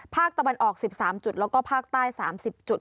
ภาคตะวันออก๑๓จุดแล้วก็ภาคใต้๓๐จุด